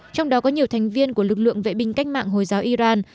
trong đó có nhiều thành viên của lực lượng vệ binh cách mạng hồi giáo iran